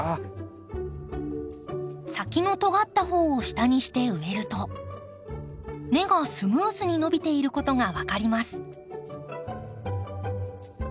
先のとがった方を下にして植えると根がスムーズに伸びていることが分かります。